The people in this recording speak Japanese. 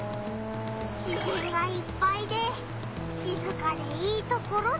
自ぜんがいっぱいでしずかでいいところだな！